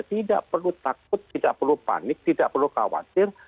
tidak perlu panik tidak perlu khawatir